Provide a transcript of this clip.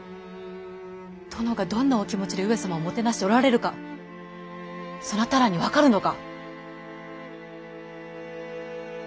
殿がどんなお気持ちで上様をもてなしておられるかそなたらに分かるのか。